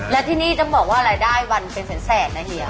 และที่นี่ต้องบอกว่ารายได้วันเป็นแสนนะเฮีย